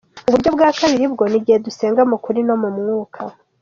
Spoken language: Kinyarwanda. Uburyo bwa kabiri bwo ni igihe dusenga mu kuri no mu mwuka.